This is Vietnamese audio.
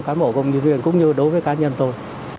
cả mỗi công nhân viên cũng như đối với cá nhân tôi